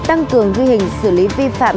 tăng cường ghi hình xử lý vi phạm